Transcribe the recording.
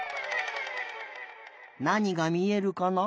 なにがみえるかな？